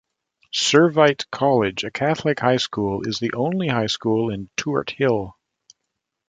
Servite College, a Catholic high school is the only high school in Tuart Hill.